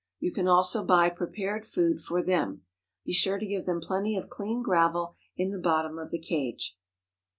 You can also buy prepared food for them. Be sure to give them plenty of clean gravel in the bottom of the cage.